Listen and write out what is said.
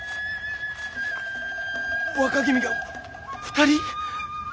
若君が２人？